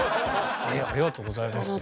ありがとうございます。